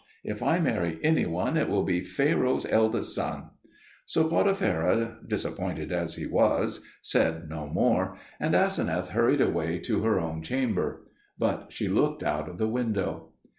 If I marry any one it will be Pharaoh's eldest son." So Potipherah, disappointed as he was, said no more; and Aseneth hurried away to her own chamber. But she looked out of the window.